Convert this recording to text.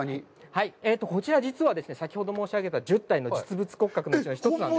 はい、こちら、実は先ほど申し上げた１０体の実物骨格のうちの、一つなんです。